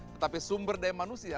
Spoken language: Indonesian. tetapi sumber daya manusia